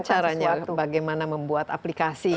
tahu nggak caranya bagaimana membuat aplikasi